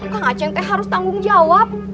kang achen teh harus tanggung jawab